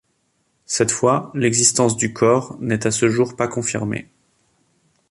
Cette fois, l'existence du corps n'est à ce jour pas confirmée.